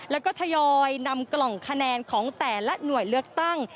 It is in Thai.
แล้วก็ทยอยนำกล่องคะแนนของแต่ละหน่วยเลือกตั้ง